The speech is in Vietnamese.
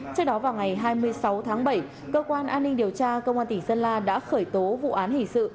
trước đó vào ngày hai mươi sáu tháng bảy cơ quan an ninh điều tra công an tỉnh sơn la đã khởi tố vụ án hình sự